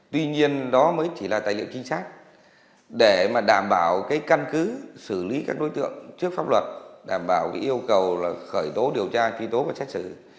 tuy nhiên đó mới chỉ là tài liệu trinh sát để đảm bảo căn cứ xử lý các đối tượng trước pháp luật đảm bảo yêu cầu là khởi tố điều tra truy tố và xét xử